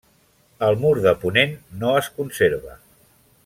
El mur de ponent no es conserva.